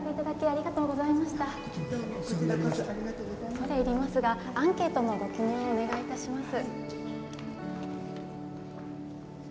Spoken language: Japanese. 恐れ入りますがアンケートのご記入をお願い致します。